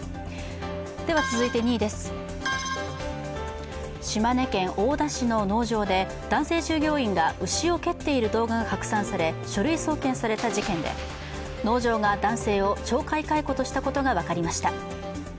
続いて、２位です、島根県大田市の農場で男性従業員が牛を蹴っている動画が拡散され、書類送検された事件で、農場が男性を懲戒解雇としたことが分かりました。